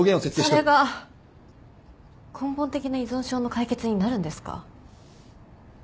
それが根本的な依存症の解決になるんですか？